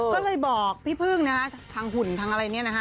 ก็เลยบอกพี่พึ่งนะฮะทางหุ่นทางอะไรเนี่ยนะฮะ